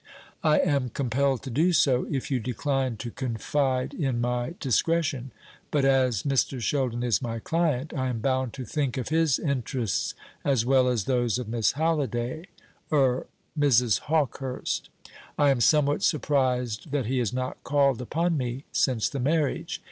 "I am compelled to do so, if you decline to confide in my discretion; but as Mr. Sheldon is my client, I am bound to think of his interests as well as those of Miss Halliday er Mrs. Hawkehurst. I am somewhat surprised that he has not called upon me since the marriage.